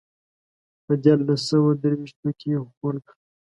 په دیارلس سوه درویشتو کې یې خپور کړ.